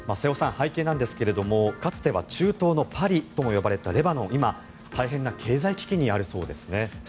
背景なんですけどかつては中東のパリとも呼ばれたレバノンは大変な経済危機にあるそうですね。